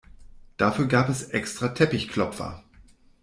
Dafür gab es extra Teppichklopfer.